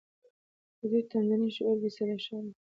د دوی تمدني شعور بې سده شوی دی